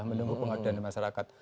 menunggu pengadaan masyarakat